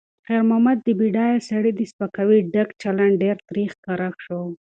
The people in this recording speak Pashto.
خیر محمد ته د بډایه سړي د سپکاوي ډک چلند ډېر تریخ ښکاره شو.